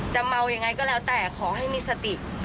เมายังไงก็แล้วแต่ขอให้มีสติ